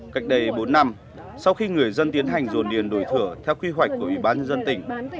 cách đây bốn năm sau khi người dân tiến hành dồn điền đổi thửa theo quy hoạch của ủy ban nhân dân tỉnh